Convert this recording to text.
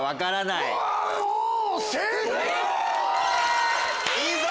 いいぞ！